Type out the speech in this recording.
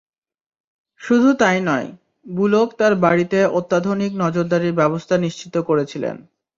শুধু তাই নয়, বুলক তাঁর বাড়িতে অত্যাধুনিক নজরদারির ব্যবস্থা নিশ্চিত করেছিলেন।